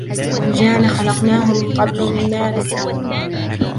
والجان خلقناه من قبل من نار السموم